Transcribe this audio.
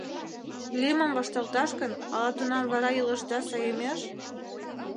— Лӱмым вашталташ гын, ала тунам вара илышда саемеш?